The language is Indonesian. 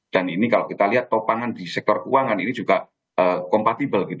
dan ini kalau kita lihat topangan di sektor keuangan ini juga compatible